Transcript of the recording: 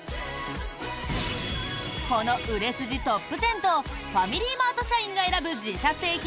この売れ筋トップ１０とファミリーマート社員が選ぶ自社製品